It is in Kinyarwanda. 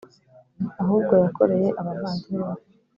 ahubwo yakoreye abavandimwe be